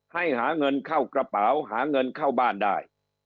หาเงินเข้ากระเป๋าหาเงินเข้าบ้านได้